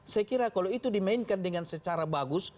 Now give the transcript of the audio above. saya kira kalau itu dimainkan dengan secara bagus